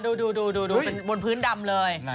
ดูเห้ยมันเป็นบนพื้นดำเลย